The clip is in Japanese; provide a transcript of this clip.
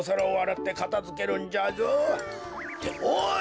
っておい！